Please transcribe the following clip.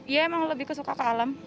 iya emang lebih suka ke alam